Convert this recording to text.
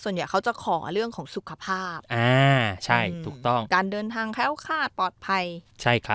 ส่วนใดข้อจะขอเรื่องของสุขภาพการเดินทางแค้วขาดปลอดภัย